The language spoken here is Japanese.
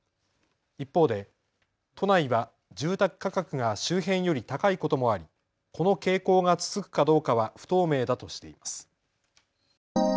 一方で都内は住宅価格が周辺より高いこともありこの傾向が続くかどうかは不透明だとしています。